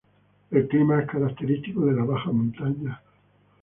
El clima es característico de la baja montaña.